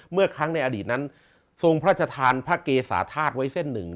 เมื่อครั้งในอดีตนั้นทรงพระชธานพระเกสาธาตุไว้เส้นหนึ่ง